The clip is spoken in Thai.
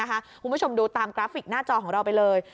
คุณผู้ชมดูตามกราฟิกหน้าจอของเราไปเลย